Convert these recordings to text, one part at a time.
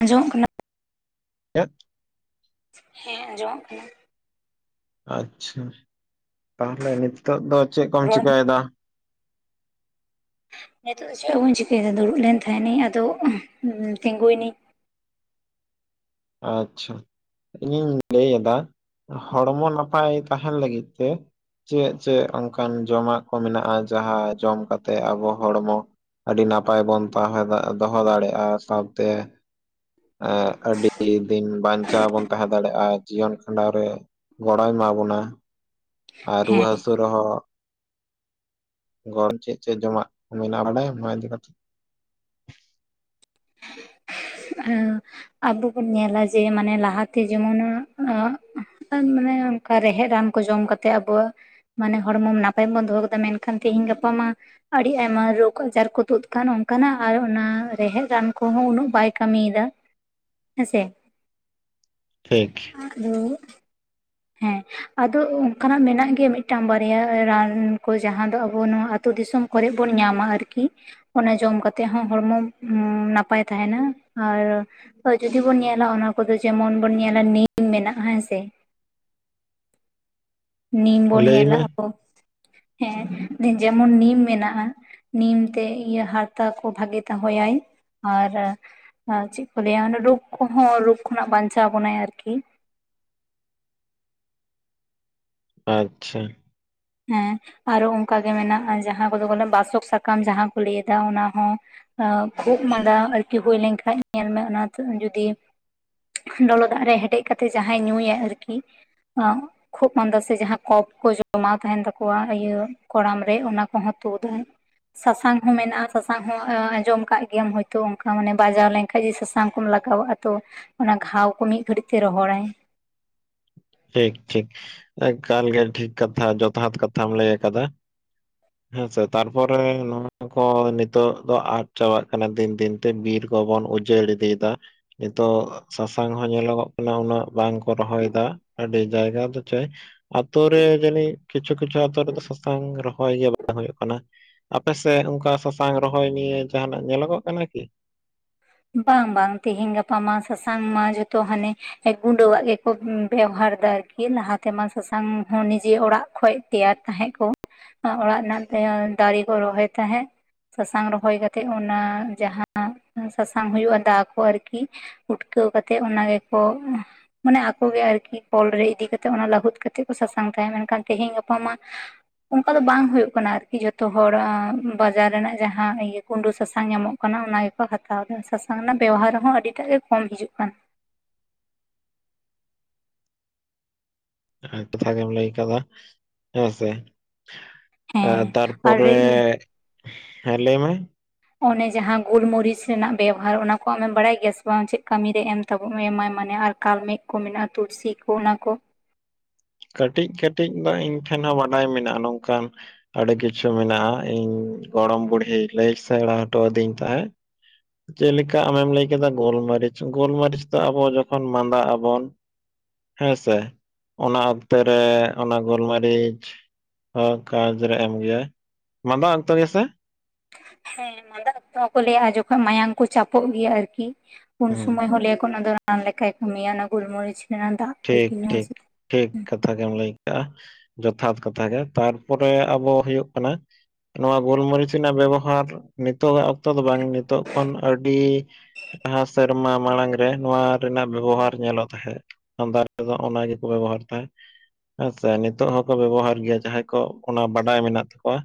ᱟᱸᱡᱚᱢᱚᱜ ᱠᱟᱱᱟ ᱪᱮᱫ ᱦᱮᱸ ᱟᱸᱡᱚᱢᱚᱜ ᱠᱟᱱᱟ ᱟᱪᱪᱷᱟ ᱛᱟᱦᱚᱞᱮ ᱱᱤᱛᱚᱜ ᱫᱚ ᱪᱮᱫ ᱠᱚᱢ ᱨᱚᱲ ᱪᱤᱠᱟᱹᱭᱮᱫᱟ ᱱᱤᱛᱚᱜ ᱫᱚ ᱪᱮᱫ ᱦᱚᱸ ᱵᱟᱹᱧ ᱪᱤᱠᱟᱹᱭᱮᱫᱟ ᱫᱩᱲᱩᱵ ᱞᱮᱱ ᱛᱟᱦᱮᱱᱤᱧ ᱟᱫᱚ ᱛᱤᱸᱜᱩᱭᱮᱱᱟᱹᱧ ᱟᱪᱪᱷᱟ ᱤᱧᱤᱧ ᱞᱟᱹᱭᱮᱫᱟ ᱦᱚᱲᱢᱚ ᱱᱟᱯᱟᱭ ᱛᱟᱦᱮᱱ ᱞᱟᱹᱜᱤᱫ ᱛᱮ ᱪᱮᱫ ᱪᱮᱫ ᱚᱱᱠᱟᱱ ᱡᱚᱢᱟᱜ ᱠᱚ ᱢᱮᱱᱟᱜᱼᱟ ᱡᱟᱦᱟᱸ ᱡᱚᱢ ᱠᱟᱛᱮᱜ ᱟᱵᱚ ᱦᱚᱲᱢᱚ ᱟᱹᱰᱤ ᱱᱟᱯᱟᱭ ᱵᱚᱱ ᱛᱟᱦᱮᱸ ᱫᱚᱦᱚ ᱫᱟᱲᱮᱭᱟᱜᱼᱟ ᱥᱟᱶᱛᱮ ᱮᱸᱻ ᱟᱹᱰᱤ ᱤᱧ ᱵᱟᱧᱪᱟᱣ ᱵᱚᱱ ᱛᱟᱦᱮᱸ ᱫᱟᱲᱮᱭᱟᱜᱼᱟ ᱡᱤᱭᱚᱱ ᱠᱷᱟᱸᱰᱟᱣ ᱨᱮ ᱜᱚᱲᱚᱭ ᱮᱢᱟ ᱵᱚᱱᱟ ᱟᱨ ᱨᱩᱣᱟᱹ ᱦᱮᱸ ᱦᱟᱹᱥᱩ ᱨᱮ ᱦᱚᱸ ᱜᱚᱲ ᱪᱮᱫ ᱪᱚ ᱡᱚᱢᱟᱜ ᱠᱚ ᱢᱮᱱᱟᱜ ᱚᱸᱰᱮ ᱚᱱᱟ ᱤᱫᱤ ᱠᱟᱛᱮᱫ ᱦᱮᱸ ᱟᱵᱚ ᱵᱚᱱ ᱧᱮᱞᱟ ᱡᱮ ᱢᱟᱱᱮ ᱞᱟᱦᱛᱮ ᱡᱮᱢᱚᱱ ᱟᱹᱻ ᱟᱨ ᱢᱟᱱᱮ ᱚᱱᱠᱟ ᱨᱮᱦᱮᱫ ᱨᱟᱱ ᱠᱚ ᱡᱚᱢ ᱠᱟᱛᱮᱜ ᱟᱵᱚᱣᱟᱜ ᱢᱟᱱᱮ ᱦᱚᱲᱢᱚ ᱱᱟᱯᱟᱭ ᱵᱚᱱ ᱫᱚᱦᱚ ᱟᱠᱟᱫᱟ ᱢᱮᱱᱠᱷᱟᱱ ᱛᱤᱦᱤᱧ ᱜᱟᱯᱟ ᱢᱟ ᱟᱹᱰᱤ ᱟᱭᱢᱟ ᱨᱳᱜᱽ ᱟᱡᱟᱨ ᱠᱚ ᱛᱩᱫ ᱟᱠᱟᱱ ᱚᱱᱠᱟᱱᱟᱜ ᱟᱨ ᱚᱱᱟ ᱨᱮᱦᱮᱫ ᱨᱟᱱ ᱠᱚᱦᱚᱸ ᱩᱱᱟᱹᱜ ᱵᱟᱭ ᱠᱟᱹᱢᱤᱭᱮᱫᱟ ᱦᱮᱸᱥᱮ ᱴᱷᱤᱠ [unintelligible] ᱦᱮᱸ [inaudible] ᱟᱫᱚ ᱚᱱᱠᱟᱱᱟᱜ ᱢᱮᱱᱟᱜ ᱜᱮᱭᱟ ᱢᱤᱫᱴᱟᱹᱝ ᱵᱟᱨᱭᱟ ᱨᱟᱱ ᱠᱩ ᱡᱟᱦᱟᱸ ᱫᱚ ᱟᱵᱚ ᱱᱚᱣᱟ ᱟᱹᱛᱳ ᱫᱤᱥᱚᱢ ᱠᱚᱨᱮ ᱵᱚᱱ ᱧᱟᱢᱟ ᱟᱨᱠᱤ ᱚᱱᱟ ᱡᱚᱢ ᱠᱟᱛᱮᱜ ᱦᱚᱸ ᱦᱚᱲᱢᱚ ᱱᱟᱯᱟᱭ ᱛᱟᱦᱮᱱᱟ ᱟᱨ ᱡᱩᱫᱤ ᱵᱚᱱ ᱧᱮᱞᱟ ᱚᱱᱟ ᱠᱚᱫᱚ ᱡᱮᱢᱚᱱ ᱵᱚᱱ ᱧᱮᱞᱟ ᱱᱤᱢ ᱢᱮᱱᱟᱜᱼᱟ ᱦᱮᱸ ᱥᱮ ᱱᱤᱢ ᱵᱚᱱ ᱞᱟᱹᱭ ᱧᱮᱞᱟ ᱢᱮ ᱟᱵᱚ ᱦᱮᱸ ᱡᱮᱢᱚᱱ ᱱᱤᱢ ᱢᱮᱱᱟᱜᱼᱟ ᱱᱤᱢ ᱛᱮ ᱤᱭᱟᱹ ᱦᱟᱨᱛᱟ ᱠᱚ ᱵᱷᱟᱹᱜᱤᱭ ᱫᱚᱦᱚᱭᱟᱭ ᱟᱨ ᱟᱨ ᱪᱮᱫ ᱠᱚ ᱞᱟᱹᱭᱟ ᱨᱳᱜᱽ ᱠᱚᱦᱚᱸ ᱨᱳᱜᱽ ᱠᱷᱚᱱᱟᱜ ᱵᱟᱧᱪᱟᱣ ᱵᱚᱱᱟᱭ ᱟᱨᱠᱤ ᱟᱪᱪᱷᱟ ᱦᱮᱸ ᱟᱨᱦᱚᱸ ᱚᱱᱠᱟᱜᱮ ᱢᱮᱱᱟᱜᱼᱟ ᱡᱟᱦᱟᱸ ᱠᱚᱫᱚ ᱵᱟᱥᱚᱠ ᱥᱟᱠᱟᱢ ᱡᱟᱦᱟᱸᱠᱚ ᱞᱟᱹᱭᱫᱟ ᱚᱱᱟ ᱦᱚᱸ ᱠᱷᱩᱜ ᱢᱟᱸᱫᱟ ᱟᱨᱠᱤ ᱦᱩᱭ ᱞᱮᱱᱠᱷᱟᱡ ᱧᱮᱞᱢᱮ ᱚᱱᱟᱛᱮ ᱡᱩᱫᱤ ᱞᱚᱞᱚ ᱫᱟᱜ ᱨᱮ ᱦᱮᱰᱮᱡ ᱠᱟᱛᱮᱫ ᱡᱟᱦᱟᱸᱭ ᱧᱩᱭᱟᱭ ᱟᱨᱠᱤ ᱠᱷᱩᱜ ᱢᱟᱸᱫᱟ ᱥᱮ ᱡᱟᱦᱟᱸ ᱠᱚᱯ ᱠᱚ ᱡᱚᱢᱟ ᱛᱟᱦᱮᱱ ᱛᱟᱠᱚᱣᱟ ᱤᱭᱟᱹ ᱠᱚᱲᱟᱢ ᱨᱮ ᱚᱱᱟ ᱠᱚᱦᱚᱸ ᱛᱩᱫᱟᱹᱧ ᱥᱟᱥᱟᱝ ᱦᱚᱸ ᱢᱮᱱᱟᱜᱼᱟ ᱥᱟᱥᱟᱝ ᱦᱚᱸ ᱟᱸᱡᱚᱢ ᱟᱠᱟᱜ ᱜᱮᱭᱟᱢ ᱦᱳᱭᱛᱳ ᱚᱱᱠᱟ ᱢᱟᱱᱮ ᱵᱟᱡᱟᱣ ᱞᱮᱱ ᱠᱷᱟᱹᱡᱤ ᱥᱟᱥᱟᱝ ᱠᱚᱢ ᱞᱟᱹᱜᱟᱣᱟᱜᱼᱟ ᱛᱚ ᱚᱱᱟ ᱜᱷᱟᱣ ᱠᱚ ᱢᱤᱫ ᱜᱷᱟᱹᱲᱤᱡ ᱛᱮ ᱨᱚᱦᱚᱲᱟᱭ ᱴᱷᱤᱠ ᱴᱷᱤᱠ ᱮᱠᱟᱞ ᱜᱮ ᱴᱷᱤᱠ ᱠᱟᱛᱷᱟ ᱡᱚᱛᱷᱟᱛ ᱠᱟᱛᱷᱟᱢ ᱞᱟᱹᱭ ᱟᱠᱟᱫᱟ ᱦᱮᱸ ᱥᱮ ᱛᱟᱨᱯᱚᱨᱮ ᱱᱚᱜᱼᱱᱚᱣᱟ ᱠᱚ ᱱᱤᱛᱚᱜ ᱫᱚ ᱟᱫ ᱪᱟᱵᱟᱜ ᱠᱟᱱᱟ ᱫᱤᱱ ᱫᱤᱱ ᱛᱮ ᱵᱤᱨ ᱠᱚᱵᱚᱱ ᱩᱡᱟᱹᱲ ᱤᱫᱤᱭᱮᱫᱟ ᱱᱤᱛᱚᱜ ᱥᱟᱥᱟᱝ ᱦᱚᱸ ᱧᱮᱞᱚᱜᱚᱜ ᱠᱟᱱᱟ ᱩᱱᱟᱹᱜ ᱵᱟᱝ ᱠᱚ ᱨᱚᱦᱚᱭᱮᱫᱟ ᱟᱹᱰᱤ ᱡᱟᱭᱜᱟ ᱫᱚ ᱪᱮᱫ ᱟᱛᱩ ᱨᱮ ᱡᱟᱹᱱᱤᱡ ᱠᱤᱪᱷᱩ ᱠᱤᱪᱷᱩ ᱟᱛᱩ ᱨᱮᱫᱚ ᱥᱟᱥᱟᱝᱹ ᱨᱚᱦᱚᱭ ᱜᱮᱭᱟ [unintelligible] ᱵᱟᱝ ᱦᱩᱭᱩᱜᱹ ᱠᱟᱱᱟ ᱟᱯᱮ ᱥᱮᱫ ᱚᱱᱠᱟ ᱥᱟᱥᱟᱝ ᱨᱚᱦᱚᱭ ᱱᱤᱭᱮ ᱡᱟᱦᱟᱱᱟᱼᱜ ᱧᱮᱞᱚᱜᱚᱜ ᱠᱟᱱᱟ ᱠᱤ ᱵᱟᱝ ᱵᱟᱝ ᱛᱮᱦᱮᱧ ᱜᱟᱯᱟᱹ ᱢᱟ ᱥᱟᱥᱟᱝ ᱢᱟ ᱡᱚᱛᱚ ᱦᱟᱱᱮ [unintelligible] ᱜᱩᱸᱰᱟᱹᱣᱟᱜ ᱜᱮᱠᱚ ᱵᱮᱣᱦᱟᱨ ᱮᱟ ᱟᱨᱠᱤ ᱞᱟᱦᱟ ᱛᱮᱢᱟ ᱥᱟᱥᱟᱝ ᱦᱚᱸ ᱱᱤᱡᱮ ᱚᱲᱟᱜ ᱠᱷᱚᱡ ᱛᱮᱭᱟᱨ ᱛᱟᱦᱮᱸᱫ ᱠᱚ ᱚᱲᱟᱜ ᱨᱮᱱᱟᱜ ᱮ ᱫᱟᱨᱮ ᱠᱚ ᱨᱚᱦᱚᱭ ᱛᱟᱦᱮᱸᱫ ᱥᱟᱥᱟᱝ ᱨᱚᱦᱚᱭ ᱠᱟᱛᱮᱜ ᱚᱱᱟ ᱡᱟᱦᱟᱸ ᱦᱟᱸᱜ ᱥᱟᱥᱟᱝ ᱦᱩᱭᱩᱜᱼᱟ ᱫᱟ ᱠᱚ ᱟᱨᱠᱤ ᱩᱴᱠᱟᱹᱣ ᱠᱟᱛᱮᱫ ᱚᱱᱟ ᱜᱮᱠᱚ ᱢᱟᱱᱮ ᱟᱠᱚᱜᱮ ᱟᱨᱠᱤ ᱠᱚᱞ ᱨᱮ ᱤᱫᱤ ᱠᱟᱛᱮᱫ ᱚᱱᱟ ᱞᱟᱹᱦᱩᱫ ᱠᱟᱛᱮᱫ ᱠᱚ ᱥᱟᱥᱟᱝ ᱛᱟᱦᱮᱸ ᱢᱮᱱᱠᱷᱟᱱ ᱛᱮᱦᱮᱧ ᱜᱟᱯᱟ ᱢᱟ ᱚᱱᱠᱟ ᱫᱚ ᱵᱟᱝ ᱦᱩᱭᱩᱜ ᱠᱟᱱᱟ ᱟᱨᱠᱤ ᱡᱷᱚᱛᱚ ᱦᱚᱲ ᱵᱟᱡᱟᱨ ᱨᱮᱱᱟᱜ ᱡᱟᱦᱟᱸ ᱤᱭᱟᱹ ᱜᱩᱸᱰᱟᱹ ᱥᱟᱥᱟᱝ ᱧᱟᱢᱚᱜ ᱚᱱᱟ ᱜᱮᱠᱚ ᱦᱟᱛᱟᱣᱮᱜᱼᱟ ᱥᱟᱥᱟᱝ ᱨᱮᱱᱟᱜ ᱵᱮᱣᱦᱟᱨ ᱦᱚᱸ ᱟᱹᱰᱤᱴᱟᱜ ᱜᱮ ᱠᱚᱢ ᱦᱤᱡᱩᱜ ᱠᱟᱱᱟ [unintelligible] ᱠᱟᱛᱷᱟ ᱜᱮᱢ ᱞᱟᱹᱭ ᱠᱟᱫᱟ ᱦᱮᱸ ᱥᱮ ᱦᱮᱸ ᱟᱨ ᱛᱟᱨᱯᱚᱨᱮ ᱤᱭᱟᱹ ᱦᱮᱸ ᱞᱟᱹᱭ ᱢᱮ ᱚᱱᱮ ᱡᱟᱦᱟᱸ ᱜᱩᱞᱢᱚᱨᱤᱪ ᱨᱮᱱᱟᱜ ᱵᱮᱵᱚᱦᱟᱨ ᱚᱱᱟ ᱠᱚ ᱟᱢᱮᱢ ᱵᱟᱲᱟᱭ ᱜᱮᱭᱟ ᱥᱮ ᱵᱟᱝ ᱪᱮᱫ ᱠᱟᱹᱢᱤ ᱨᱮ ᱮᱢ ᱛᱟᱵᱚᱱ ᱮᱢᱟᱭ ᱢᱟᱱᱮ ᱟᱨ ᱠᱟᱞᱢᱮᱜᱽ ᱠᱚ ᱢᱮᱱᱟᱜᱼᱟ ᱛᱩᱞᱥᱤ ᱠᱚ ᱚᱱᱟ ᱠᱚ ᱠᱟᱹᱴᱤᱡ ᱠᱟᱹᱴᱤᱡ ᱫᱚ ᱤᱧ ᱴᱷᱮᱱ ᱦᱚᱸ ᱵᱟᱰᱟᱭ ᱢᱮᱱᱟᱜᱼᱟ ᱱᱚᱝᱠᱟ ᱟᱹᱰᱤ ᱠᱤᱪᱷᱩ ᱢᱮᱱᱟᱜᱼᱟ ᱤᱧ ᱜᱚᱲᱚᱢ ᱵᱩᱲᱦᱤ ᱞᱟᱹᱭ ᱥᱮᱬᱟ ᱦᱚᱴᱚᱣᱟᱫᱤᱧ ᱛᱟᱦᱮᱸᱫ ᱪᱮᱫ ᱞᱮᱠᱟ ᱟᱢᱮᱢ ᱞᱟᱹᱭ ᱠᱮᱫᱟ ᱜᱳᱞᱢᱟᱹᱨᱤᱪ ᱜᱳᱞᱢᱟᱹᱨᱤᱪ ᱫᱚ ᱟᱵᱚ ᱡᱚᱠᱷᱚᱱ ᱢᱟᱸᱫᱟᱜ ᱟᱵᱚᱱ ᱦᱮᱸᱥᱮ ᱚᱱᱟ ᱚᱠᱛᱮ ᱨᱮ ᱚᱱᱟ ᱜᱳᱞᱢᱟᱹᱨᱤᱪ ᱦᱮᱸ ᱠᱟᱡᱽ ᱨᱮ ᱮᱢ ᱜᱮᱭᱟᱭ ᱢᱟᱫᱟ ᱚᱠᱛᱚ ᱜᱮ ᱥᱮ ᱦᱮᱸ ᱢᱟᱸᱫᱟ ᱦᱚᱸᱠᱚ ᱞᱟᱹᱭᱟ ᱡᱚᱠᱷᱚᱱ ᱢᱟᱭᱟᱝ ᱠᱚ ᱪᱟᱯᱚᱜ ᱜᱮᱭᱟ ᱟᱨᱠᱤ ᱩᱱ ᱦᱩᱸ ᱥᱩᱚᱢᱚᱭ ᱦᱚᱸ ᱞᱟᱹᱭᱟ ᱠᱚ ᱚᱱᱟ ᱫᱚ ᱨᱟᱱ ᱞᱮᱠᱟᱭ ᱠᱟᱹᱢᱤᱭᱟ ᱚᱱᱟ ᱜᱩᱞᱢᱚᱨᱤᱪ ᱨᱮᱱᱟᱜ ᱫᱟᱜ ᱴᱷᱤᱠ ᱟᱨᱠᱤ ᱧᱩ ᱴᱷᱤᱠ ᱴᱷᱤᱠ ᱠᱟᱛᱷᱟ ᱜᱮᱢ ᱞᱟᱭ ᱠᱟᱜᱼᱟ ᱡᱚᱛᱷᱟᱛ ᱠᱟᱛᱷᱟ ᱜᱮ ᱛᱟᱨᱯᱚᱨᱮ ᱟᱵᱚ ᱦᱩᱭᱩᱜ ᱠᱟᱱᱟ ᱱᱚᱣᱟ ᱜᱳᱞᱢᱚᱨᱤᱪ ᱨᱮᱱᱟᱜ ᱵᱮᱵᱚᱦᱟᱨ ᱱᱤᱛᱚᱜᱟᱜ ᱚᱠᱛᱚ ᱫᱚ ᱵᱟᱝ ᱱᱤᱛᱚᱜ ᱠᱷᱚᱱ ᱟᱹᱰᱤ ᱞᱟᱦᱟ ᱥᱮᱨᱢᱟ ᱢᱟᱲᱟᱝ ᱨᱮ ᱱᱚᱣᱟ ᱨᱮᱱᱟᱜ ᱵᱮᱵᱚᱦᱟᱨ ᱧᱮᱞᱚᱜ ᱛᱟᱦᱮᱸᱫ ᱫᱟᱨᱫᱚ [unintelligible] ᱚᱱᱟ ᱜᱮ ᱠᱚ ᱵᱮᱵᱚᱦᱟᱨ ᱛᱟᱦᱮᱸ ᱦᱮᱸ ᱥᱮ ᱱᱤᱛᱚᱜ ᱦᱚᱸᱠᱚ ᱵᱮᱵᱚᱦᱟᱨ ᱜᱮᱭᱟ ᱡᱟᱦᱟᱸᱭ ᱠᱚ ᱚᱱᱟ ᱵᱟᱰᱟᱭ ᱢᱮᱱᱟᱜ ᱛᱟᱠᱚᱣᱟ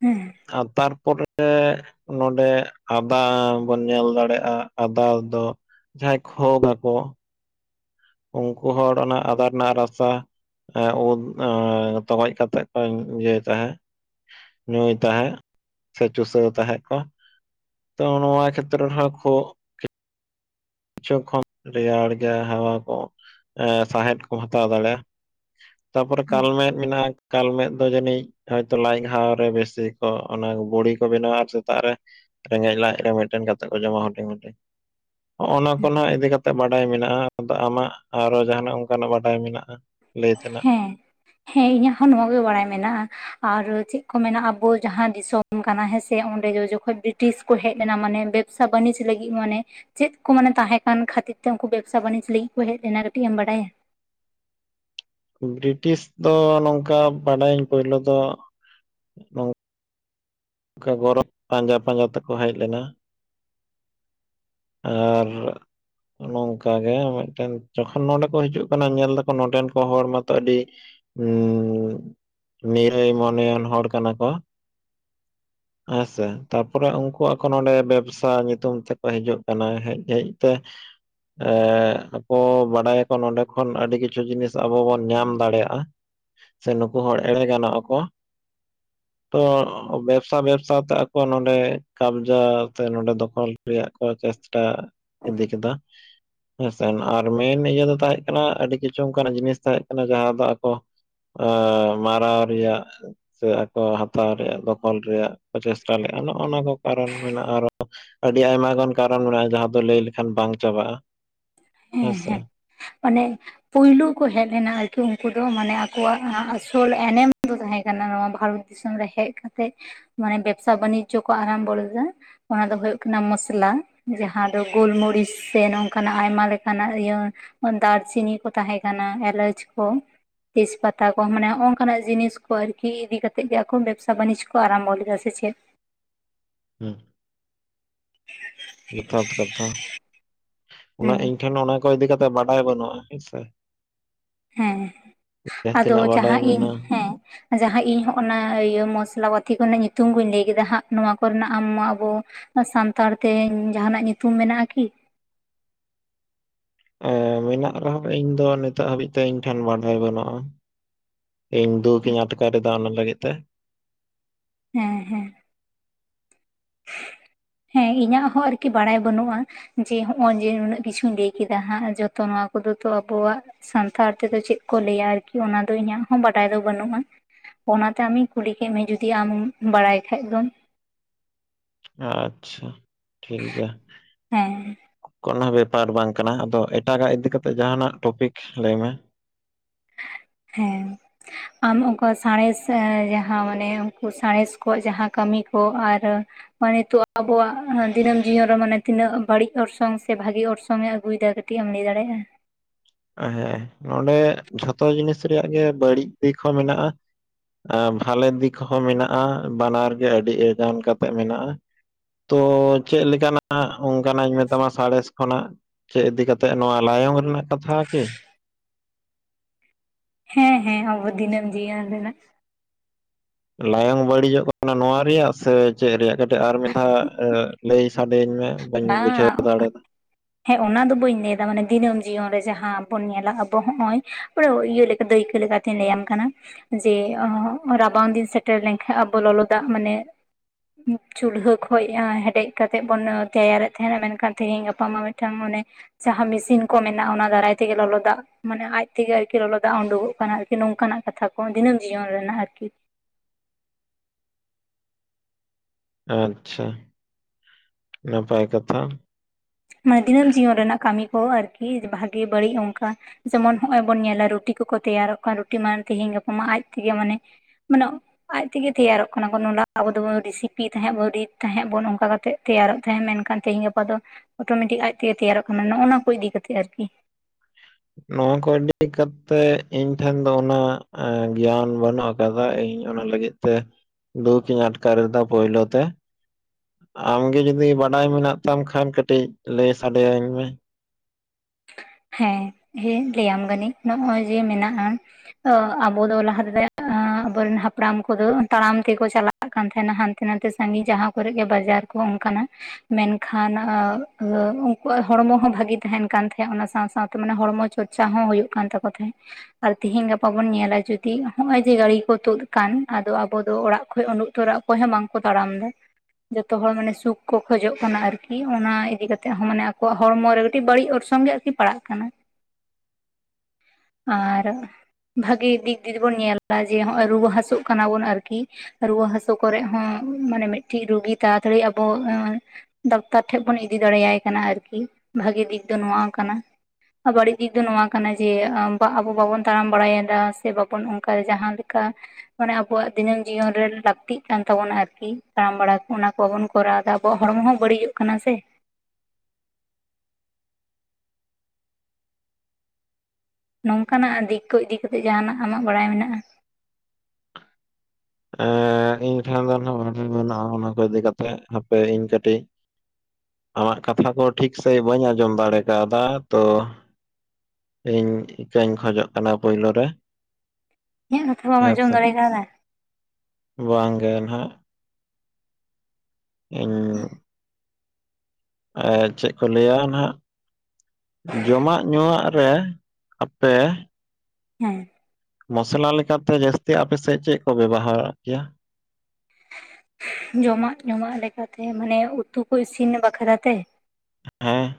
ᱦᱮᱸ ᱟᱨ ᱛᱟᱨᱯᱚᱨᱮ ᱛᱮ ᱱᱚᱰᱮ ᱟᱫᱟ ᱵᱚᱱ ᱧᱮᱞ ᱫᱟᱲᱮᱭᱟᱜᱼᱟ ᱟᱫᱟ ᱫᱚ ᱡᱟᱦᱟᱸᱭ ᱠᱷᱩᱜ ᱟᱠᱚ ᱩᱱᱠᱩ ᱦᱚᱲ ᱚᱱᱟ ᱟᱫᱟ ᱨᱮᱱᱟᱜ ᱨᱟᱥᱟ ᱦᱮᱸ ᱩᱫ ᱮᱸ ᱛᱚᱜᱚᱡ ᱠᱟᱛᱮᱜ ᱠᱚ ᱤᱭᱟᱹᱭ ᱛᱟᱦᱮᱸᱫ ᱧᱩᱭ ᱛᱟᱦᱮᱸᱜ ᱥᱮ ᱪᱩᱥᱟᱹᱣ ᱛᱟᱦᱮᱸᱜ ᱠᱚ ᱛᱚ ᱱᱚᱣᱟ ᱠᱷᱮᱛᱨᱮ ᱨᱮ ᱦᱚᱸ ᱠᱷᱳᱜ ᱠᱤᱪᱷᱩ ᱠᱷᱚᱱ ᱨᱮᱭᱟᱲ ᱜᱮ ᱦᱟᱣᱟ ᱠᱚ ᱮᱸᱜ ᱥᱟᱸᱦᱮᱫ ᱠᱚ ᱦᱟᱛᱟᱣ ᱫᱟᱲᱮᱭᱟᱜ᱾ ᱛᱟᱯᱚᱨᱮ ᱠᱟᱞᱢᱮᱫ ᱢᱮᱱᱟᱜᱼᱟ ᱠᱟᱞ ᱢᱮᱫ ᱫᱚ ᱡᱟᱹᱱᱤᱡ ᱦᱚᱭᱛᱚ ᱞᱟᱡ ᱜᱷᱟᱣ ᱨᱮ ᱵᱮᱥᱤ ᱠᱚ ᱚᱱᱟ ᱵᱩᱲᱤ ᱠᱚ ᱵᱮᱱᱟᱣᱟ ᱟᱨ ᱥᱮᱛᱟᱼᱜ ᱨᱮ ᱨᱮᱸᱜᱮᱡ ᱞᱟᱡ ᱨᱮ ᱢᱤᱫᱴᱮᱱ ᱠᱟᱛᱮ ᱠᱚ ᱡᱚᱢᱟ ᱦᱩᱰᱤᱧ ᱦᱩᱰᱤᱧ ᱱᱚᱜᱼᱚᱱᱟ ᱠᱚ ᱱᱟᱜ ᱤᱫᱤ ᱠᱟᱛᱮ ᱵᱟᱰᱟᱭ ᱢᱮᱱᱟᱜᱼᱟ ᱟᱫᱚ ᱟᱢᱟᱜ ᱟᱨᱚ ᱡᱟᱦᱟᱱᱟᱼᱜ ᱚᱱᱠᱟᱱᱟᱜ ᱵᱟᱰᱟᱭ ᱢᱮᱱᱟᱜᱼᱟ ᱞᱟᱹᱭ ᱛᱮᱱᱟᱜ ᱦᱮᱸ ᱦᱮᱸ ᱤᱧᱟᱜ ᱦᱚᱸ ᱱᱚᱣᱟ ᱜᱮ ᱵᱟᱲᱟᱭ ᱢᱮᱱᱟᱜᱼᱟ ᱟᱨ ᱪᱮᱫ ᱠᱚ ᱢᱮᱱᱟ ᱟᱵᱚ ᱡᱟᱦᱟᱸ ᱫᱤᱥᱚᱢ ᱠᱟᱱᱟ ᱦᱮᱸᱥᱮ ᱚᱸᱰᱮ ᱡᱚᱠᱷᱚᱱ ᱵᱨᱤᱴᱤᱥ ᱠᱚ ᱦᱮᱡ ᱞᱮᱱᱟ ᱢᱟᱱᱮ [unintelligible] ᱥᱟ [unintelligible] ᱵᱟᱹᱱᱤᱪ ᱞᱟᱹᱜᱤᱫ ᱢᱟᱱᱮ ᱪᱮᱫ ᱠᱚ ᱢᱟᱱᱮ ᱛᱟᱦᱮᱸ ᱠᱟᱱ ᱠᱷᱟᱹᱛᱤᱨ ᱛᱮ ᱩᱱᱠᱩ ᱵᱮᱵᱽᱥᱟ ᱵᱟᱱᱤᱡ ᱞᱟᱹᱜᱤᱫ ᱠᱚ ᱦᱮᱡ ᱞᱮᱱᱟ ᱠᱟᱹᱴᱤᱡ ᱮᱢ ᱵᱟᱲᱟᱭᱟ ᱵᱨᱤᱴᱤᱥ ᱫᱚ ᱱᱚᱝᱠᱟ ᱵᱟᱰᱟᱭᱟᱧ ᱯᱳᱭᱞᱳ ᱫᱚ [unintelligible] ᱠᱷᱚᱵᱚᱨ ᱯᱟᱸᱡᱟ ᱯᱟᱸᱡᱟ ᱛᱮᱠᱚ ᱦᱮᱡ ᱞᱮᱱᱟ ᱟᱨ ᱱᱚᱝᱠᱟ ᱜᱮ ᱢᱤᱫᱴᱮᱱ ᱡᱚᱠᱷᱚᱱ ᱱᱚᱰᱮ ᱠᱚ ᱦᱤᱡᱩᱜ ᱠᱟᱱᱟ ᱧᱮᱞ ᱫᱟᱠᱚ ᱱᱚᱰᱮᱱ ᱠᱚ ᱦᱚᱲ ᱢᱟᱛᱚ ᱟᱹᱰᱤ ᱩᱸ ᱱᱤᱨᱟᱹᱭ ᱢᱚᱱᱮᱭᱟᱱ ᱦᱚᱲ ᱠᱟᱱᱟ ᱠᱚ ᱦᱮᱸᱥᱮ ᱛᱟᱯᱚᱨᱮ ᱩᱱᱠᱩ ᱟᱠᱚ ᱱᱚᱰᱮ ᱵᱮᱵᱥᱟ ᱧᱩᱛᱩᱢ ᱛᱮᱠᱚ ᱦᱤᱡᱩᱜ ᱠᱟᱱᱟ ᱦᱮᱡ ᱦᱮᱡ ᱛᱮ ᱮᱸ ᱟᱠᱚ ᱵᱟᱰᱟᱭᱟᱠᱚ ᱱᱚᱸᱰᱮ ᱠᱷᱚᱱ ᱟᱹᱰᱤ ᱠᱤᱪᱷᱩ ᱡᱤᱱᱤᱥ ᱟᱵᱚ ᱵᱚᱱ ᱧᱟᱢ ᱫᱟᱲᱮᱭᱟᱜᱼᱟ᱾ ᱥᱮᱸ ᱱᱩᱠᱩ ᱦᱚᱲ ᱮᱲᱮ ᱜᱟᱱᱚᱜ ᱟᱠᱚ᱾ ᱛᱚ ᱵᱮᱵᱥᱟ ᱵᱮᱵᱥᱟ ᱛᱮ ᱟᱠᱚᱣᱟᱜ ᱱᱚᱸᱰᱮ ᱠᱟᱵᱽᱡᱟ ᱛᱮ ᱱᱚᱸᱰᱮ ᱫᱚᱠᱷᱚᱞ ᱨᱮᱭᱟᱜ ᱠᱚ ᱴᱟ ᱤᱫᱤ ᱠᱮᱫᱟ᱾ ᱦᱮᱸᱥᱮ ᱟᱨ ᱢᱮᱱ ᱤᱭᱟᱹ ᱫᱚ ᱛᱟᱦᱮᱸ ᱠᱟᱱᱟ ᱟᱹᱰᱤ ᱠᱤᱪᱷᱩ ᱚᱝᱠᱟᱱᱟᱜ ᱡᱤᱱᱤᱥ ᱛᱟᱦᱮᱸ ᱠᱟᱱᱟ ᱡᱟᱦᱟᱸ ᱫᱚ ᱟᱠᱚ ᱟᱸ ᱢᱟᱨᱟᱣ ᱨᱮᱭᱟᱜ ᱥᱮ ᱟᱠᱚ ᱦᱟᱛᱟᱣ ᱨᱮᱭᱟᱜ ᱫᱚᱠᱷᱚᱞ ᱨᱮᱭᱟᱜ ᱠᱚ ᱪᱮᱥᱴᱟ ᱞᱮᱜᱼᱟ ᱱᱚᱜᱱᱟ ᱠᱚ ᱠᱟᱨᱚᱱ ᱢᱮᱱᱟᱜᱼᱟ ᱟᱨᱚ ᱟᱹᱰᱤ ᱟᱭᱢᱟ ᱜᱟᱱ ᱠᱟᱨᱚᱱ ᱢᱮᱱᱟᱜᱼᱟ ᱡᱟᱦᱟᱸ ᱫᱚ ᱞᱟᱹᱭ ᱞᱮᱠᱷᱟᱱ ᱵᱟᱝ ᱪᱟᱵᱟᱜᱼᱟ᱾ ᱦᱮᱸ ᱦᱮᱸᱥᱮ ᱦᱮᱸ ᱚᱱᱮ ᱯᱩᱭᱞᱩ ᱠᱚ ᱦᱮᱜ ᱞᱮᱱᱟ ᱟᱨᱠᱤ ᱩᱝᱠᱩ ᱫᱚ ᱢᱟᱱᱮ ᱟᱠᱚᱣᱟᱜ ᱟᱥᱚᱞ ᱮᱱᱮᱢ ᱫᱚ ᱛᱟᱦᱮᱸ ᱠᱟᱱᱟ ᱱᱚᱣᱟ ᱵᱷᱟᱨᱚᱛ ᱫᱤᱥᱚᱢ ᱨᱮ ᱦᱮᱜ ᱠᱟᱛᱮᱜ ᱢᱟᱱᱮ ᱵᱮᱵᱥᱟ ᱵᱟᱱᱤᱡᱡᱚ ᱠᱚ ᱟᱨᱚᱢᱵᱚ ᱞᱮᱫᱟ᱾ ᱚᱱᱟ ᱫᱚ ᱦᱳᱭᱳᱜ ᱠᱟᱱᱟ ᱢᱚᱥᱞᱟ, ᱡᱟᱦᱟᱸ ᱫᱚ ᱜᱳᱞᱢᱚᱨᱤᱥ ᱥᱮ ᱱᱚᱝ ᱠᱟᱱᱟ ᱟᱭᱢᱟ ᱞᱮᱠᱟᱱᱟᱜ ᱤᱭᱟᱹ ᱫᱟᱨᱪᱤᱱᱤ ᱠᱚ ᱛᱟᱦᱮ ᱠᱟᱱᱟ ᱮᱞᱟᱪ ᱠᱚ᱾ ᱛᱮᱡᱽ ᱯᱟᱛᱟ ᱠᱚ ᱢᱟᱱᱮ ᱱᱚᱝᱠᱟᱱᱟᱜ ᱡᱤᱱᱤᱥ ᱠᱚ ᱟᱨᱠᱤ ᱤᱫᱤ ᱠᱟᱛᱮᱫ ᱜᱮ ᱟᱠᱚ ᱵᱮᱵᱽᱥᱟ ᱵᱟᱱᱤᱡᱽ ᱠᱚ ᱟᱨᱚᱢᱵᱚ ᱞᱮᱫᱟ ᱥᱮ ᱪᱮᱫ᱾ ᱦᱩᱸ [unintelligible] ᱡᱚᱛᱷᱟᱛ ᱠᱟᱛᱷᱟ, ᱚᱱᱟ ᱦᱩᱸ ᱤᱧ ᱴᱷᱮᱱ ᱚᱱᱟ ᱠᱚ ᱤᱫᱤ ᱠᱟᱛᱮᱜ ᱵᱟᱰᱟᱭ ᱵᱟᱹᱱᱩᱜᱼᱟ ᱦᱮ ᱥᱮ᱾ ᱦᱮᱸ ᱡᱟᱦᱟᱸ ᱟᱫᱚ ᱛᱤᱱᱟᱹᱜ ᱵᱟᱰᱟᱭ ᱡᱟᱦᱟᱸ ᱤᱧ ᱢᱮᱱᱟᱜᱼᱟ ᱦᱮᱸ ᱡᱟᱦᱟᱸ ᱤᱧ ᱦᱚᱜᱼᱱᱟ ᱤᱭᱟᱹ ᱢᱚᱥᱞᱟ ᱯᱟᱛᱤ ᱠᱚᱨᱮᱱᱟᱜ ᱧᱩᱛᱩᱢ ᱠᱩᱧ ᱞᱟᱹᱭ ᱠᱮᱫᱟ ᱦᱟᱸᱜ ᱱᱚᱣᱟ ᱠᱚᱨᱮᱱᱟᱜ ᱟᱢ ᱢᱟ ᱟᱵᱚ ᱥᱟᱱᱛᱟᱲ ᱛᱮ ᱡᱟᱦᱟᱱᱟᱜ ᱧᱩᱛᱩᱢ ᱢᱮᱱᱟᱜᱼᱟ ᱠᱤ? ᱮᱸ ᱢᱮᱱᱟᱜ ᱨᱮᱦᱚᱸ ᱤᱧ ᱫᱚ ᱱᱤᱛᱚᱜ ᱦᱟᱹᱵᱤᱡ ᱛᱮ ᱤᱧ ᱴᱷᱮᱱ ᱵᱟᱰᱟᱭ ᱵᱟᱹᱱᱩᱜᱼᱟ᱾ ᱤᱧ ᱫᱩᱠᱤᱧ ᱟᱴᱠᱟᱨ ᱫᱟ ᱚᱱᱟ ᱞᱟᱹᱜᱤᱫ ᱛᱮ᱾ ᱦᱮᱸ ᱦᱮᱸ ᱦᱮᱸ ᱤᱧᱟᱹᱜ ᱦᱚᱸ ᱟᱨᱠᱤ ᱵᱟᱲᱟᱭ ᱵᱟᱹᱱᱩᱜᱼᱟ᱾ ᱡᱮ ᱦᱚᱜᱼᱚᱭ ᱡᱮ ᱱᱩᱱᱟᱹᱜ ᱠᱤᱪᱷᱩᱧ ᱞᱟᱹᱭ ᱠᱮᱫᱟ ᱦᱟᱸᱜ ᱡᱚᱛᱚ ᱱᱚᱣᱟ ᱠᱚᱫᱚ ᱛᱚ ᱟᱵᱚᱣᱟᱜ ᱥᱟᱱᱛᱷᱟᱲ ᱛᱮᱫᱚ ᱪᱮᱜ ᱠᱚ ᱞᱟᱹᱭᱟ ᱟᱨᱠᱤ ᱚᱱᱟ ᱫᱚ ᱤᱧᱟᱹᱜ ᱦᱚᱸ ᱵᱟᱰᱟᱭ ᱫᱚ ᱵᱟᱹᱱᱩᱜᱼᱟ᱾ ᱚᱱᱟᱛᱮ ᱟᱢᱤᱧ ᱠᱩᱞᱤ ᱠᱮᱫ ᱢᱮ ᱡᱩᱫᱤ ᱟᱢ ᱵᱟᱲᱟᱭ ᱠᱷᱟᱡ ᱫᱚᱢ᱾ ᱟᱪᱪᱷᱟ ᱴᱷᱤᱠ ᱜᱮᱭᱟ᱾ ᱦᱮᱸ ᱠᱳᱱᱚ ᱵᱮᱯᱟᱨ ᱵᱟᱝ ᱠᱟᱱᱟ, ᱟᱫᱚ ᱮᱴᱟᱜᱟᱜ ᱤᱫᱤ ᱠᱟᱛᱮᱜ ᱡᱟᱦᱟᱱᱟᱜ ᱴᱚᱯᱤᱠ ᱞᱟᱹᱭ ᱢᱮ᱾ ᱦᱮᱸ ᱟᱢ ᱩᱝᱠᱟ ᱥᱟᱸᱬᱮᱥ ᱡᱟᱦᱟᱸ ᱢᱟᱱᱮ ᱩᱝᱠᱩ ᱥᱟᱸᱬᱮᱥ ᱠᱚᱣᱟᱜ ᱡᱟᱦᱟ ᱠᱟᱹᱢᱤ ᱠᱚ ᱟᱨ ᱢᱟᱱᱮ ᱱᱤᱛᱚᱜ ᱟᱵᱚᱣᱟᱜ ᱫᱤᱱᱟᱹᱢ ᱡᱤᱭᱚᱱ ᱨᱮ ᱢᱟᱱᱮ ᱛᱤᱱᱟᱹᱜ ᱵᱟᱹᱲᱤᱡ ᱚᱨᱥᱚᱝ ᱥᱮ ᱵᱷᱟᱜᱮ ᱚᱨᱥᱚᱝ ᱮ ᱟᱹᱜᱩᱭᱫᱟ᱾ ᱴᱤᱜ ᱮᱢ ᱞᱟᱹᱭ ᱫᱟᱲᱮᱜᱼᱟ᱾ ᱳ ᱦᱮᱸ ᱱᱚᱸᱰᱮ ᱡᱷᱚᱛᱚ ᱡᱤᱱᱤᱥ ᱨᱮᱭᱟᱜ ᱜᱮ ᱵᱟᱹᱲᱤᱡ ᱫᱤᱠ ᱦᱚᱸ ᱢᱮᱱᱟᱜᱼᱟ᱾ ᱟ ᱵᱷᱟᱞᱮ ᱫᱤᱠ ᱦᱚᱸ ᱢᱮᱱᱟᱜᱼᱟ ᱵᱟᱱᱟᱨ ᱜᱮ ᱟᱹᱰᱤ ᱟᱹᱭᱫᱟᱱ ᱠᱟᱛᱮᱜ ᱢᱮᱱᱟᱜᱼᱟ ᱾ ᱛᱚ ᱪᱮᱜ ᱞᱮᱠᱟᱱᱟᱜ ᱚᱱᱠᱟᱱᱟᱜ ᱤᱧ ᱢᱮᱛᱟᱢᱟ ᱥᱟᱸᱬᱮᱥ ᱠᱷᱚᱱᱟᱜ? ᱪᱮᱫ ᱤᱫᱤᱠᱟᱛᱮᱜ ᱱᱚᱣᱟ ᱞᱟᱭᱚᱝ ᱨᱮᱱᱟᱜ ᱠᱟᱛᱷᱟ ᱠᱤ? ᱦᱮᱸ ᱦᱮᱸ ᱟᱵᱚ ᱫᱤᱱᱟᱹᱢ ᱡᱤᱭᱚᱱ ᱨᱮᱱᱟᱜ᱾ ᱞᱟᱭᱚᱝ ᱵᱟᱹᱲᱤᱡᱚᱜ ᱠᱟᱱᱟ ᱱᱚᱣᱟ ᱨᱮᱭᱟᱜ ᱥᱮ ᱪᱮᱫ ᱨᱮᱭᱟᱜ ᱠᱟᱹᱴᱤᱡ ᱟᱨ ᱢᱤᱫ ᱫᱷᱟᱣ ᱞᱟᱹᱭ ᱥᱟᱰᱮ ᱟᱹᱧ ᱢᱮ᱾ ᱵᱟᱹᱧ ᱵᱩᱡᱷᱟᱹᱣ ᱵᱟᱸ ᱫᱟᱲᱮᱭᱟᱫᱟ ᱦᱮᱸ ᱚᱱᱟ ᱫᱚ ᱵᱟᱹᱧ ᱞᱟᱹᱭ ᱫᱟ ᱢᱟᱱᱮ ᱫᱤᱱᱟᱹᱢ ᱡᱤᱭᱚᱱ ᱨᱮ ᱡᱟᱦᱟᱸ ᱵᱚᱱ ᱧᱮᱞᱟ ᱟᱵᱚ ᱦᱚᱜᱼᱚᱭ ᱯᱩᱨᱟᱹ ᱤᱭᱟᱹ ᱞᱮᱠᱟ ᱫᱟᱹᱭᱠᱟᱹ ᱞᱮᱠᱟ᱾ ᱛᱮᱧ ᱞᱟᱹᱭᱟᱢ ᱠᱟᱱᱟ ᱡᱮ, ᱨᱟᱵᱟᱝ ᱫᱤᱱ ᱥᱮᱴᱮᱨ ᱞᱮᱱᱠᱷᱟᱡ ᱟᱵᱚ ᱞᱚᱞᱚ ᱫᱟᱜ ᱢᱟᱱᱮ ᱪᱩᱞᱦᱟᱹ ᱠᱷᱚᱡ ᱦᱮᱰᱮᱡ ᱠᱟᱛᱮᱜ ᱵᱚᱱ ᱛᱮᱭᱟ ᱨᱮᱫ ᱛᱟᱦᱮᱱᱟ ᱢᱮᱱᱠᱷᱟᱱ ᱛᱮᱦᱤᱧ ᱜᱟᱯᱟ ᱢᱟ ᱢᱤᱫᱴᱟᱝ ᱢᱟᱱᱮ ᱡᱟᱦᱟᱸ ᱢᱮᱥᱤᱱ ᱠᱚ ᱢᱮᱱᱟᱜᱼᱟ ᱚᱱᱟ ᱫᱟᱨᱟᱭ ᱛᱮᱜᱮ ᱞᱚᱞᱚ ᱫᱟᱜ ᱢᱟᱱᱮ ᱟᱡ ᱛᱮᱜᱮ ᱟᱨᱠᱤ ᱞᱚᱞᱚ ᱫᱟᱜ ᱯᱳᱰᱳᱠᱚᱜ ᱠᱟᱱᱟ ᱟᱨᱠᱤ ᱱᱚᱝᱠᱟ ᱱᱟᱜ ᱠᱟᱛᱷᱟ ᱠᱚ ᱫᱤᱱᱟᱹᱢ ᱡᱤᱭᱚᱱ ᱨᱮᱱᱟᱜ ᱟᱨᱠᱤ᱾ ᱟᱪᱪᱷᱟ, ᱱᱟᱯᱟᱭ ᱠᱟᱛᱷᱟ᱾ ᱢᱟ ᱫᱤᱱᱟᱹᱢ ᱡᱤᱭᱚᱱ ᱨᱮᱱᱟᱜ ᱠᱟᱹᱢᱤ ᱠᱚ ᱟᱨᱠᱤ ᱵᱷᱟᱜᱮ ᱵᱟᱹᱲᱤᱡ ᱚᱝᱠᱟ᱾ ᱡᱮᱢᱚᱱ ᱱᱚᱜ ᱚᱭ ᱵᱚᱱ ᱧᱮᱞᱟ ᱨᱩᱴᱤ ᱠᱚᱠᱚ ᱛᱮᱭᱟᱨᱚᱜ ᱠᱟᱱᱟ ᱨᱩᱴᱤ ᱢᱟᱱ ᱛᱮᱦᱮᱧ ᱜᱟᱯᱟ ᱢᱟ ᱟᱡ ᱛᱮᱜᱮ ᱢᱟᱱᱮ ᱢᱟᱱᱮ ᱟᱡ ᱛᱮᱜᱮ ᱛᱮᱭᱟᱨᱚᱜ ᱠᱟᱱᱟ ᱜᱚᱱᱚ ᱱᱟ ᱟᱵᱚ ᱫᱚᱵᱚᱱ ᱨᱮ ᱥᱤᱯᱤ ᱛᱟᱦᱮᱸᱫ ᱵᱚᱱ ᱨᱤᱫ ᱛᱟᱦᱮᱸᱫ ᱵᱚᱱ ᱚᱱᱠᱟ ᱠᱟᱛᱮᱜ ᱛᱮᱭᱟᱨᱚᱜ ᱛᱟᱦᱮᱸ ᱢᱮᱱᱠᱷᱟᱱ ᱛᱮᱦᱤᱧ ᱜᱟᱯᱟ ᱫᱚ ᱚᱴᱳᱢᱮᱴᱤᱠ ᱟᱡ ᱛᱮᱜᱮ ᱛᱮᱭᱟᱨᱚᱜ ᱠᱟᱱᱟ ᱱᱚᱜ ᱱᱚᱣᱟ ᱠᱚ ᱤᱫᱤ ᱠᱟᱛᱮᱜ ᱟᱨᱠᱤ᱾ ᱱᱚᱣᱟ ᱠᱚ ᱤᱫᱤ ᱠᱟᱛᱮ ᱤᱧ ᱴᱷᱮᱱ ᱫᱚ ᱚᱱᱟᱜ ᱜᱮᱭᱟᱱ ᱵᱟᱹᱱᱩᱜ ᱟᱠᱟᱫᱟ ᱤᱧ ᱚᱱᱟ ᱞᱟᱹᱜᱤᱫ ᱛᱮ ᱫᱩᱠ ᱤᱧ ᱟᱴᱠᱟᱨᱮᱫᱟ ᱯᱳᱭᱞᱳ ᱛᱮ᱾ ᱟᱢᱜᱮ ᱡᱩᱫᱤ ᱵᱟᱰᱟᱭ ᱢᱮᱱᱟᱜ ᱛᱟᱢ ᱠᱷᱟᱱ ᱠᱟᱹᱴᱤᱡ ᱞᱟᱹᱭ ᱥᱟᱰᱮᱭᱟᱹᱧ ᱢᱮ᱾ ᱦᱮᱸ ᱦᱮᱸ ᱞᱟᱹᱭᱟᱢ ᱜᱟᱹᱱᱤᱡ ᱱᱚᱜ ᱚᱭ ᱡᱮ ᱢᱮᱱᱟᱜᱼᱟ ᱟᱵᱚ ᱫᱚ ᱞᱟᱦᱟ ᱛᱮᱫᱚ ᱟᱵᱚᱨᱮᱱ ᱦᱟᱯᱲᱟᱢ ᱠᱚᱫᱚ ᱛᱟᱲᱟᱢ ᱛᱮᱠᱚ ᱪᱟᱞᱟᱜ ᱠᱟᱱ ᱛᱟᱦᱮᱱᱟ ᱦᱟᱱᱛᱮ ᱱᱟᱛᱮ ᱥᱟᱜᱤᱧ ᱡᱟᱦᱟᱸ ᱠᱚᱨᱮ ᱜᱮ ᱵᱟᱡᱟᱨ ᱠᱚ ᱚᱱᱠᱟ ᱱᱟ ᱢᱮᱱᱠᱷᱟᱱ ᱩᱱᱠᱩᱣᱟᱜ ᱦᱚᱲᱢᱚ ᱦᱚᱸ ᱵᱷᱟᱜᱤ ᱛᱟᱦᱮᱱ ᱠᱟᱱ ᱛᱟᱦᱮᱸᱜ ᱚᱱᱟ ᱥᱟᱶ ᱥᱟᱶᱛᱮ ᱢᱟᱱᱮ ᱦᱚᱲᱢᱚ ᱪᱚᱨᱪᱟ ᱦᱚᱸ ᱦᱩᱭᱩᱜ ᱠᱟᱱ ᱛᱟᱠᱚ ᱛᱟᱦᱮᱸᱫ᱾ ᱟᱨ ᱛᱤᱦᱮᱧ ᱜᱟᱯᱟ ᱵᱚᱱ ᱧᱮᱞᱟ ᱡᱚᱫᱤ ᱱᱚᱜ ᱚᱭ ᱡᱮ ᱜᱟᱲᱤ ᱠᱚ ᱛᱩᱫ ᱟᱠᱟᱱ ᱟᱫᱚ ᱟᱵᱚ ᱫᱚ ᱚᱲᱟᱜ ᱠᱷᱚᱱᱚᱡ ᱩᱸᱰᱩᱜ ᱛᱚᱨᱟ ᱚᱠᱚᱭ ᱦᱚᱸ ᱵᱟᱝ‌ᱠᱚ ᱛᱟᱲᱟᱢ ᱫᱟ᱾ ᱡᱚᱛᱚ ᱦᱚᱲ ᱢᱟᱱᱮ ᱥᱩᱠ ᱠᱚ ᱠᱷᱚᱡᱚᱜ ᱠᱟᱱᱟ ᱟᱨᱠᱤ ᱚᱱᱟ ᱤᱫᱤ ᱠᱟᱛᱮᱜ ᱦᱚᱸ ᱢᱟᱱᱮ ᱟᱠᱚᱣᱟᱜ ᱦᱚᱲᱢᱚ ᱨᱮ ᱟᱹᱰᱤ ᱵᱟᱹᱲᱤᱡ ᱚᱨᱥᱚᱝ ᱜᱮ ᱟᱨᱠᱤ ᱯᱟᱲᱟᱜ ᱠᱟᱱᱟ᱾ ᱟᱨ ᱵᱷᱟᱜᱮ ᱫᱤᱠ ᱫᱤᱭᱮ ᱵᱚᱱ ᱧᱮᱞᱟ ᱡᱮ ᱦᱚᱸᱜ ᱚᱭ ᱨᱩᱣᱟᱹ ᱦᱟᱹᱥᱩᱜ ᱠᱟᱱᱟ ᱵᱚᱱ ᱟᱨᱠᱤ ᱨᱩᱣᱟᱹ ᱦᱟᱹᱥᱩ ᱠᱚᱨᱮᱜ ᱦᱚᱸ ᱢᱟᱱᱮ ᱢᱤᱫ ᱴᱮᱱ ᱨᱩᱜᱤ ᱛᱟᱲᱟᱛᱟᱲᱤ ᱟᱵᱚ ᱰᱚᱠᱴᱚᱨ ᱴᱷᱮᱡ ᱵᱚᱱ ᱤᱫᱤ ᱫᱟᱲᱮᱭᱟᱭ ᱠᱟᱱᱟ ᱟᱨᱠᱤ ᱵᱷᱟᱜᱤ ᱫᱤᱠ ᱫᱚ ᱱᱚᱣᱟ ᱠᱟᱱᱟ᱾ ᱵᱟᱹᱲᱤᱡ ᱫᱤᱠ ᱫᱚ ᱱᱚᱣᱟ ᱠᱟᱱᱟ ᱡᱮ ᱟᱵᱚ ᱵᱟᱵᱚᱱ ᱛᱟᱲᱟᱢ ᱵᱟᱲᱟᱭᱮᱫᱟ ᱥᱮ ᱵᱟᱵᱚᱱ ᱚᱱᱠᱟ ᱡᱟᱦᱟᱸ ᱞᱮᱠᱟ ᱢᱟᱱᱮ ᱟᱵᱩᱣᱟᱜ ᱫᱤᱱᱟᱹᱢ ᱡᱤᱭᱚᱱ ᱨᱮ ᱞᱟᱹᱠᱛᱤᱜ ᱠᱟᱱ ᱛᱟᱵᱚᱱᱟ ᱟᱨᱠᱤ ᱛᱟᱲᱟᱢ ᱵᱟᱲᱟ ᱚᱱᱟ ᱠᱚ ᱵᱚᱱ ᱠᱚᱨᱟᱣ ᱫᱟ ᱟᱵᱚᱣᱟᱜ ᱦᱚᱲᱢᱚ ᱦᱚᱸ ᱵᱟᱹᱲᱤᱡᱚᱜ ᱠᱟᱱᱟ ᱥᱮ᱾ ᱱᱚᱝ ᱠᱟᱱᱟᱜ ᱫᱤᱠ ᱠᱚ ᱤᱫᱤ ᱠᱟᱛᱮᱜ ᱡᱟᱦᱟᱱᱟᱜ ᱟᱢᱟᱜ ᱵᱟᱲᱟᱭ ᱢᱮᱱᱟᱜᱼᱟ? ᱮᱸ ᱤᱧ ᱴᱷᱟᱱ ᱫᱚ [unintelligible] ᱚᱱᱟ ᱠᱚ ᱤᱫᱤ ᱠᱟᱛᱮᱜ ᱦᱟᱯᱮ ᱤᱧ ᱠᱟᱹᱴᱤᱡ᱾ ᱟᱢᱟᱜ ᱠᱟᱛᱷᱟ ᱠᱚ ᱴᱷᱤᱠ ᱥᱟᱺᱦᱤᱡ ᱵᱟᱹᱧ ᱟᱸᱡᱚᱢ ᱫᱟᱲᱮ ᱠᱟᱣᱫᱟ᱾ ᱛᱚ ᱤᱧ ᱤᱠᱟᱹᱧ ᱠᱷᱚᱡᱚᱜ ᱠᱟᱱᱟ ᱯᱩᱭᱞᱳ ᱨᱮ᱾ ᱤᱧᱟᱹᱜ ᱠᱟᱛᱷᱟ ᱵᱟᱢ ᱟᱸᱡᱚᱢ ᱫᱟᱲᱮ ᱠᱟᱣᱫᱟ᱾ ᱵᱟᱝ ᱜᱮᱱ ᱦᱟᱸᱜ᱾ [inaudible] ᱟᱨ ᱪᱮᱫ ᱠᱚ ᱞᱟᱹᱭᱟ ᱦᱟᱸᱜ? ᱡᱚᱢᱟᱜ ᱧᱩᱣᱟᱜ ᱨᱮ ᱟᱯᱮ ᱦᱮᱸ ᱢᱚᱥᱞᱟ ᱞᱮᱠᱟᱛᱮ ᱡᱟᱹᱥᱛᱤ ᱟᱯᱮᱥᱮᱫ ᱪᱮᱫ ᱠᱚ ᱵᱮᱵᱚᱦᱟᱨᱚᱜ ᱜᱮᱭᱟ? ᱡᱚᱢᱟᱜ ᱧᱩᱟᱜ ᱞᱮᱠᱟᱛᱮ ᱢᱟᱱᱮ ᱩᱛᱩ ᱠᱚ ᱤᱥᱤᱱ ᱵᱟᱠᱷᱨᱟ ᱛᱮ᱾ ᱦᱮᱸ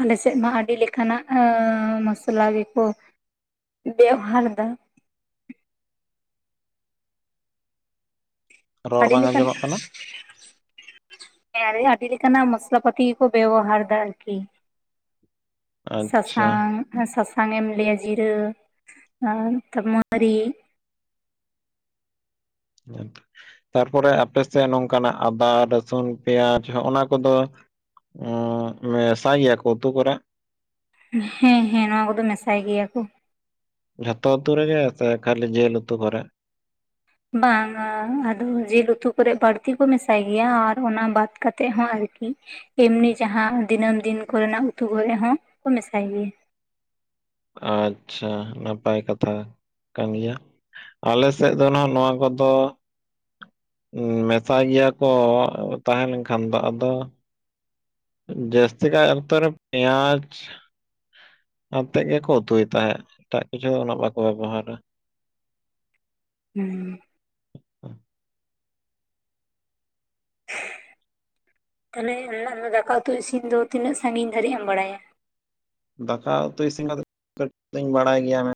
ᱟᱞᱮ ᱥᱮᱫ ᱢᱟ ᱟᱹᱰᱤ ᱞᱮᱠᱟᱱᱟᱜ ᱮᱸ ᱢᱚᱥᱞᱟ ᱜᱮᱠᱚ ᱵᱮᱣᱦᱟᱨ ᱫᱟ᱾ ᱨᱚᱲ ᱟᱹᱰᱤ ᱵᱟᱝ ᱞᱮᱠᱟᱱ ᱟᱸᱡᱚᱢᱚᱜ ᱠᱟᱱᱟ ᱦᱮᱸ ᱟᱹᱰᱤ ᱞᱮᱠᱟᱱᱟᱜ ᱢᱚᱥᱞᱟ ᱯᱟᱹᱛᱤ ᱜᱮᱠᱚ ᱵᱮᱵᱚᱦᱟᱨ ᱫᱟ ᱟᱨᱠᱤ᱾ ᱟᱪᱪᱷᱟ ᱥᱟᱥᱟᱝ ᱦᱮᱸ ᱥᱟᱥᱟᱝ ᱮᱢ ᱞᱟᱹᱭᱟ ᱡᱤᱨᱟᱹ ᱟᱨ ᱛᱟᱣ ᱢᱟᱹᱨᱤᱪ᱾ [inaudible] ᱛᱟᱨᱯᱚᱨᱮ ᱟᱯᱮ ᱥᱮᱫ ᱱᱚᱝᱠᱟᱱᱟᱜ ᱟᱫᱟ ᱨᱟᱹᱥᱩᱱ ᱯᱮᱸᱭᱟᱡᱽ ᱦᱚᱸᱦᱚᱱᱟ ᱠᱚᱫᱚ ᱩᱸᱢ ᱢᱮᱥᱟ ᱜᱮᱭᱟ ᱠᱚ ᱩᱛᱩ ᱠᱚᱨᱮ? ᱦᱮᱸ ᱦᱮᱸ ᱱᱚᱶᱟ ᱠᱚᱫᱚ ᱢᱮᱥᱟᱭ ᱜᱮᱭᱟ ᱠᱚ᱾ ᱡᱷᱚᱛᱚ ᱩᱛᱩ ᱨᱮᱜᱮ ᱠᱷᱟᱹᱞᱤ ᱡᱮᱞ ᱩᱛᱩ ᱠᱚᱨᱮ? ᱵᱟᱝ ᱟ ᱟᱫᱚ ᱡᱤᱞ ᱩᱛᱩ ᱠᱚᱨᱮ ᱵᱟᱹᱲᱛᱤ ᱠᱚ ᱢᱮᱥᱟᱭ ᱜᱮᱭᱟ ᱟᱨ ᱚᱱᱟ ᱵᱟᱫ ᱠᱟᱛᱮᱫ ᱦᱚᱸ ᱟᱨᱠᱤ ᱮᱢᱱᱤ ᱡᱟᱦᱟᱸ ᱫᱤᱱᱟᱹᱢ ᱫᱤᱱ ᱠᱚ ᱨᱮᱱᱟᱜ ᱩᱛᱩ ᱠᱚᱨᱮ ᱦᱚᱸ ᱢᱮᱥᱟᱭ ᱜᱮᱭᱟ᱾ ᱟᱪᱪᱷᱟ ᱱᱟᱯᱟᱭ ᱠᱟᱛᱷᱟ ᱠᱟᱱ ᱜᱮᱭᱟ᱾ ᱟᱞᱮ ᱥᱮᱫ ᱫᱚ ᱱᱟᱜ ᱱᱚᱣᱟ ᱠᱚᱫᱚ ᱢᱮᱥᱟᱭ ᱜᱮᱭᱟ ᱠᱚ ᱛᱟᱦᱮᱸᱞᱮᱱᱠᱷᱟᱱ ᱫᱚ ᱟᱫᱚ ᱡᱟᱹᱥᱛᱤ ᱠᱟᱹᱡ ᱟᱜ ᱛᱚᱨᱮ ᱯᱮᱸᱭᱟᱡᱽ ᱟᱛᱮᱫ ᱜᱮᱠᱚ ᱩᱛᱩᱭ ᱛᱟᱦᱮᱸᱫ ᱮᱴᱟᱜ ᱠᱤᱪᱷᱩ ᱫᱚ ᱩᱱᱟᱹᱜ ᱵᱟᱠᱚ ᱵᱮᱵᱚᱦᱟᱨᱟ ᱾ ᱦᱩ ᱛᱟᱦᱚᱞᱮ ᱟᱢ ᱫᱚ ᱫᱟᱠᱟ ᱩᱛᱩ ᱤᱥᱤᱱ ᱫᱚ ᱛᱤᱱᱟᱹᱜ ᱥᱟᱺᱜᱤᱧ ᱫᱷᱟᱹᱨᱤᱡ ᱮᱢ ᱵᱟᱲᱟᱭᱟ? ᱫᱟᱠᱟ ᱩᱛᱩ ᱤᱥᱤᱱ ᱠᱟᱛᱮᱫ ᱠᱟᱹᱴᱤᱡ ᱫᱚᱧ ᱵᱟᱲᱟᱭ ᱜᱮᱭᱟ ᱾